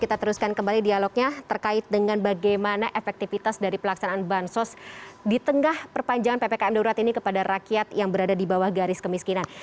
kita teruskan kembali dialognya terkait dengan bagaimana efektivitas dari pelaksanaan bansos di tengah perpanjangan ppkm darurat ini kepada rakyat yang berada di bawah garis kemiskinan